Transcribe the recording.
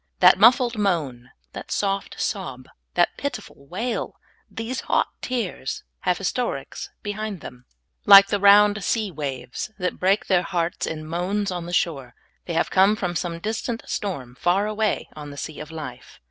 That muffled moan, that soft sob, that pitiful wail, those hot tears, have histories behind them ; like the round sea .124 SOUL FOOD. waves that break their hearts in moans on the shore, they have come from some distant storm far away on the sea of Hfe.